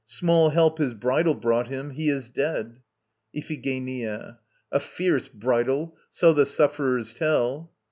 Small help his bridal brought him! He is dead. IPHIGENIA. A fierce bridal, so the sufferers tell!